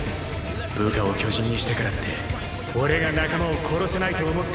部下を巨人にしたからって俺が仲間を殺せないと思ったのか？